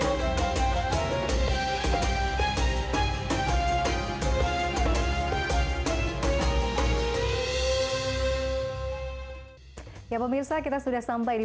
untuk memberikan pendapat kepada